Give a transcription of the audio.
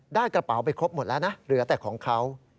กระเป๋าไปครบหมดแล้วนะเหลือแต่ของเขา